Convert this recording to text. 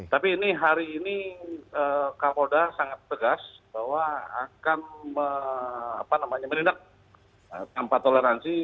tapi ini hari ini kapolda sangat tegas bahwa akan menindak tanpa toleransi